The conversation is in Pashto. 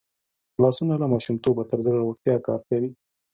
لاسونه له ماشومتوبه تر زوړتیا کار کوي